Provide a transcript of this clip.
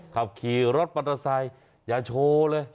ขับขี่รถปราศัยอย่าโชว์เลย